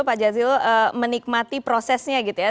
pak jazil menikmati prosesnya gitu ya